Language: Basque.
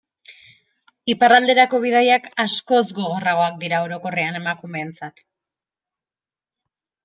Iparralderako bidaiak askoz gogorragoak dira orokorrean emakumeentzat.